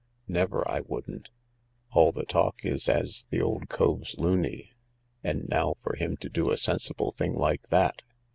" Never, I wouldn't. All the talk is as the old cove's loony, and now for him to do a sensible thing like that.